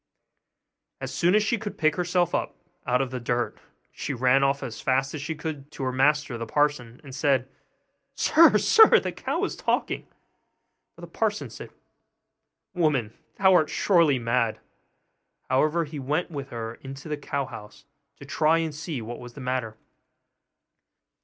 As soon as she could pick herself up out of the dirt, she ran off as fast as she could to her master the parson, and said, 'Sir, sir, the cow is talking!' But the parson said, 'Woman, thou art surely mad!' However, he went with her into the cow house, to try and see what was the matter.